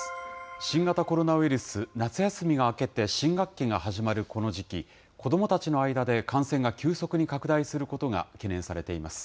新型コロナウイルス、夏休みが明けて新学期が始まるこの時期、子どもたちの間で感染が急速に拡大することが懸念されています。